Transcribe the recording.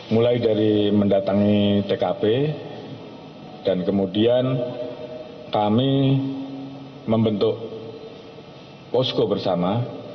mulai dari mendatangi tkp dan kemudian kami membentuk posko bersama